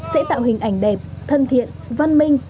sẽ tạo hình ảnh đẹp thân thiện văn minh